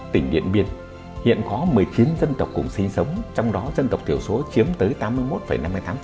tỉnh điện biên hiện có một mươi chín dân tộc cùng sinh sống trong đó dân tộc thiểu số chiếm tới tám mươi một năm mươi tám